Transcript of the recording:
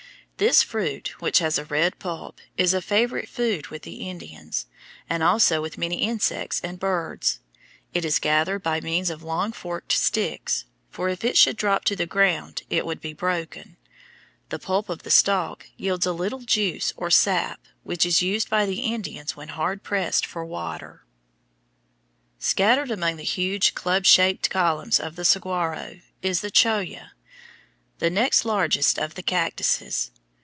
This fruit, which has a red pulp, is a favorite food with the Indians, and also with many insects and birds. It is gathered by means of long forked sticks, for if it should drop to the ground it would be broken. The pulp of the stalk yields a little juice or sap which is used by the Indians when hard pressed for water. [Illustration: FIG. 85. A FOREST ON THE PLAINS OF SOUTHERN ARIZONA Showing cholla and saguaro] Scattered among the huge club shaped columns of the saguaro is the cholla, the next largest of the cactuses.